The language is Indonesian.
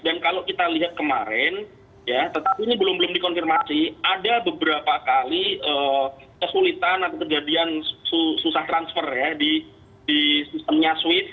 dan kalau kita lihat kemarin tetapi ini belum belum dikonfirmasi ada beberapa kali kesulitan atau kejadian susah transfer ya di sistemnya swift